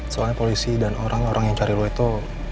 soalnya polisi dan orang orang yang cari lu itu